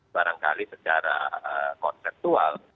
barangkali secara konseptual